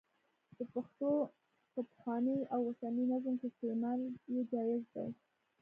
د پښتو په پخواني او اوسني نظم کې استعمال یې جائز دی.